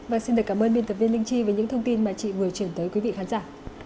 và xin được cảm ơn biên tập viên linh chi với những thông tin mà chị vừa chuyển tới quý vị khán giả